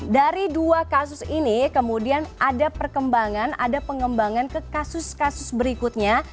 dari dua kasus ini kemudian ada perkembangan ada pengembangan ke kasus kasus berikutnya